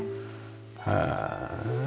へえ。